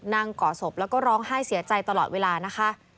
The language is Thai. ก่อศพแล้วก็ร้องไห้เสียใจตลอดเวลานะคะ